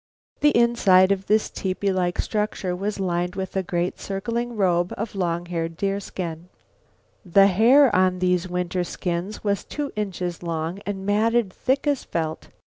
The inside of this tepee like structure was lined with a great circling robe of long haired deerskin. The hair on these winter skins was two inches long and matted thick as felt.